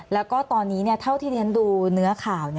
แล้วก็ตอนนี้เท่าที่เรียนดูเนื้อข่าว